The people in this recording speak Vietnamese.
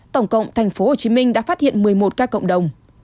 tổng cộng tp hcm đã phát hiện một mươi một ca cộng đồng